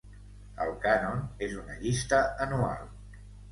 El Cànon és una llista anual.